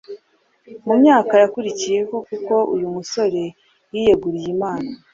mu myaka yakurikiyeho kuko uyu musore yiyeguriye Imana